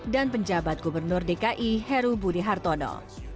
dan penjabat gubernur dki heru budi hartodo